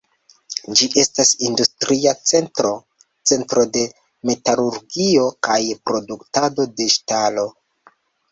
Ĝi estas industria centro, centro de metalurgio kaj produktado de ŝtalo.